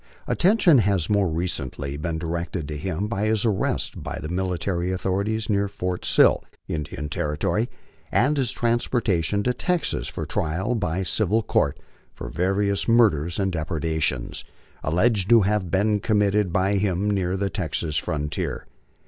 Attention has more recently been directed to him by his arrest by the military authorities near Fort Sill, Indian Territory, and his transportation to Texas for trial by civil court for various murders and depredations, alleged to have been committed by him near the Texas frontier.